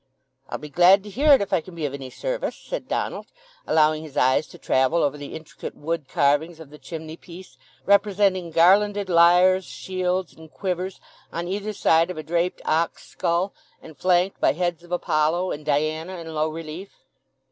"I'll be glad to hear it, if I can be of any service," said Donald, allowing his eyes to travel over the intricate wood carvings of the chimney piece, representing garlanded lyres, shields, and quivers, on either side of a draped ox skull, and flanked by heads of Apollo and Diana in low relief.